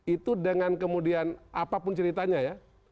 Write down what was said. itu dengan kemudian apapun ceritanya ya